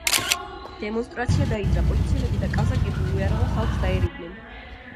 დემონსტრაცია დაიძრა, პოლიციელები და კაზაკები უიარაღო ხალხს დაერივნენ.